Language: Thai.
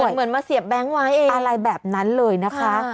เหมือนมาเสียบแบงค์ไว้เองอะไรแบบนั้นเลยนะคะ